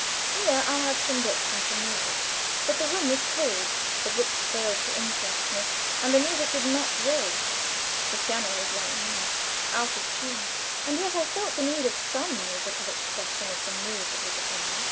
Here I had some books and some music. But the room was cold; the books failed to interest me, and the music did not go the piano was like me out of tune. And yet I felt the need of some musical expression of the mood that was upon me.